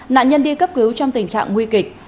nạn nhân đi cấp cứu trong tình trạng nguy kịch